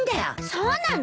そうなの？